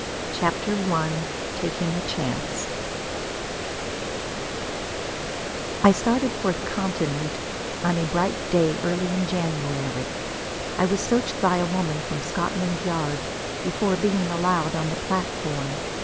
CHAPTER I TAKING A CHANCE I started for the Continent on a bright day early in January. I was searched by a woman from Scotland Yard before being allowed on the platform.